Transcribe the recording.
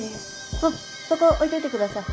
あっそこ置いといて下さい。